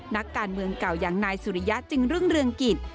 นักการเมืองเก่าอย่างนายสุริยะจึงรุ่งเรืองกิจ